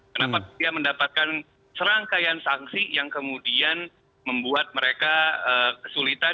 kenapa dia mendapatkan serangkaian sanksi yang kemudian membuat mereka kesulitan